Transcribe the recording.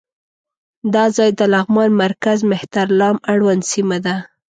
دا ځای د لغمان مرکز مهترلام اړوند سیمه ده.